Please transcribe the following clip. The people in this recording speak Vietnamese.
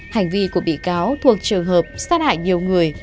hành vi của bị cáo thuộc trường hợp sát hại nhiều người